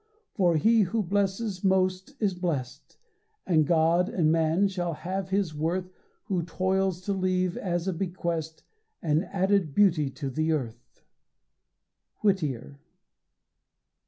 For he who blesses most is blest, And God and man shall have his worth Who toils to leave as a bequest An added beauty to the earth. _Whittier.